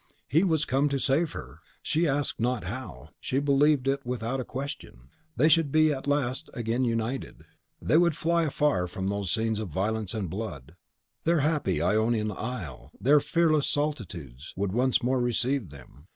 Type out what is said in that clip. He was come to save her! She asked not how, she believed it without a question. They should be at last again united. They would fly far from those scenes of violence and blood. Their happy Ionian isle, their fearless solitudes, would once more receive them.